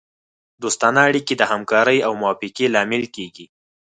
دوستانه اړیکې د همکارۍ او موافقې لامل کیږي